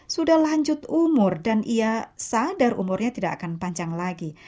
sudah lanjut umur dan ia sadar umurnya tidak akan panjang lagi